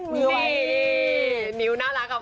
นี่นิ้วน่ารักกับพอย